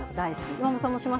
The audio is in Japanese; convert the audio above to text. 岩間さんもします？